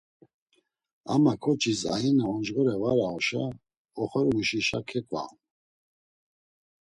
Ama ǩoçis aina oncğore var auşa, oxorimuşişa keǩvaonu.